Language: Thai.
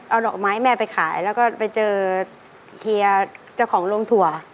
เอาดอกไม้แม่ไปขายแล้วก็ไปเจอเฮียเจ้าของโรงถั่ว